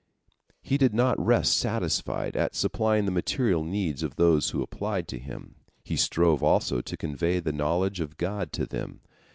He did not rest satisfied at supplying the material needs of those who applied to him. He strove also to convey the knowledge of God to them.